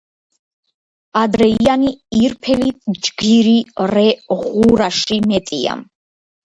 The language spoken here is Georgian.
ადრეიანი ირფელი ჯგირი რე ღურაში მეტია.